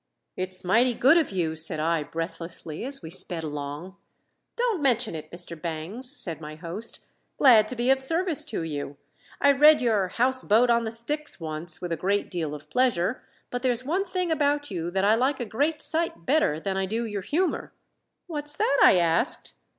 "It's mighty good of you," said I breathlessly as we sped along. "Don't mention it, Mr. Bangs," said my host. "Glad to be of service to you. I read your 'House Boat on the Styx' once with a great deal of pleasure; but there's one thing about you that I like a great sight better than I do your humor." "What's that?" I asked.